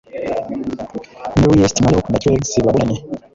merriest marrow na dregs babonanye